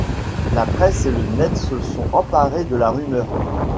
La presse et le net se sont emparés de la rumeur.